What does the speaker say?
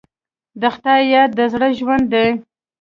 د خدای یاد د زړه ژوند دی.